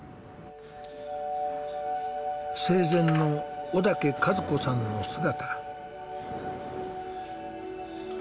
生前の小竹和子さんの姿。